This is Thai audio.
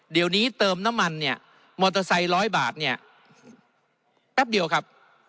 เดี๋ยวนี้เติมน้ำมันเนี่ยมอเตอร์ไซค์ร้อยบาทเนี่ยแป๊บเดียวครับ